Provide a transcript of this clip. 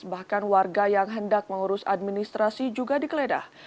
bahkan warga yang hendak mengurus administrasi juga digeledah